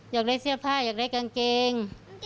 อยากได้เสื้อผ้าอยากได้กางเกง